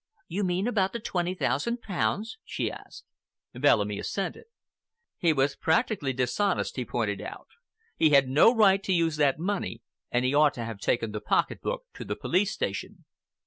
"You mean about the twenty thousand pounds?" she asked. Bellamy assented. "He was practically dishonest," he pointed out. "He had no right to use that money and he ought to have taken the pocket book to the police station.